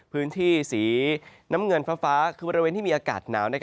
พื้นที่สีน้ำเงินฟ้าคือบริเวณที่มีอากาศหนาว